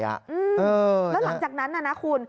แล้วหลังจากนั้นน่ะนะคุณ